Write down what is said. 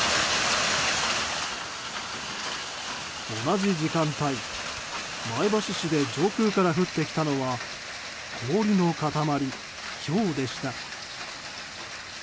同じ時間帯前橋市で上空から降ってきたのは氷の塊、ひょうでした。